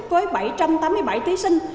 với bảy trăm tám mươi bảy thí sinh